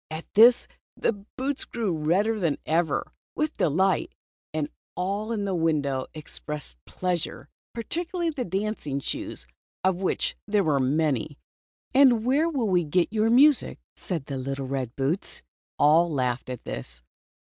At this the boots grew redder than ever with delight, and all in the window expressed pleasure, particularly the dancing shoes, of which there were many. "And where will you get your music?" said the red boots. All laughed at this.